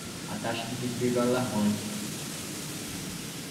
A taxa de desemprego é alarmante.